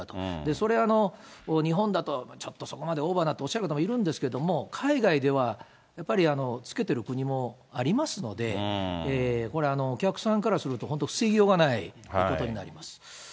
それ、日本だと、ちょっとそこまでオーバーだとおっしゃる方もいるんですけど、海外では、やっぱりつけてる国もありますので、これ、お客さんからすると、本当、防ぎようがないことになります。